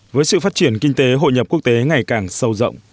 với sự phát triển kinh tế hội nhập quốc tế ngày càng sâu rộng